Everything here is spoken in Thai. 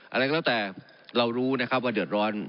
อะไรก็แล้วแต่เรารู้นะครับว่าเดือดร้อน